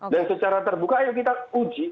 dan secara terbuka ayo kita uji